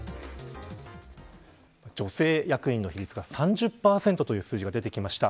女性役員の比率が３０％という数字が出てきました。